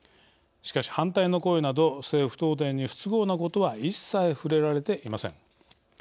しかし反対の声など政府・東電に不都合なことは一切、触れられていません。